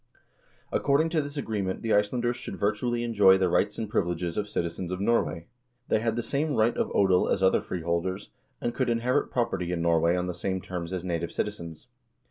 According to this agreement the Icelanders should virtually enjoy the rights and privileges of citizens of Norway. They had the same right of odel as other freeholders, and could inherit property in Norway on the same terms as native citizens.